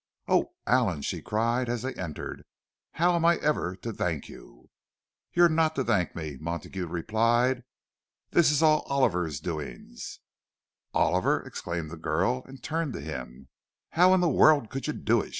"Oh, Allan!" she cried, as they entered. "How am I ever to thank you?" "You're not to thank me," Montague replied. "This is all Oliver's doings." "Oliver!" exclaimed the girl, and turned to him. "How in the world could you do it?"